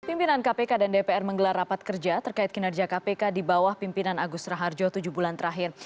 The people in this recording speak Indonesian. pimpinan kpk dan dpr menggelar rapat kerja terkait kinerja kpk di bawah pimpinan agus raharjo tujuh bulan terakhir